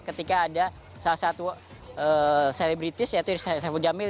ketika ada salah satu selebritis yaitu irsaifudjamil